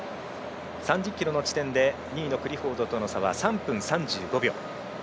３０ｋｍの地点で２位のクリフォードとの差は３分３５秒。